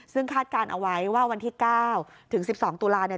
ซึ่งคาดการณ์เอาไว้ว่าวันที่๙ถึง๑๒ตุลาเนี่ย